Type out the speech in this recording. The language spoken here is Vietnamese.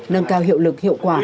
nâng cao hiệu lực hiệu quả